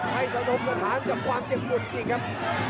ให้สะดมสถานจากความเจ็บหลุดนี่ครับ